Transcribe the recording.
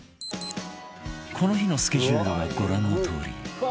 この日のスケジュールはご覧のとおり